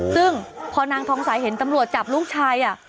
ซึ่งพอนางทองสายเห็นตำรวจจับลูกชาย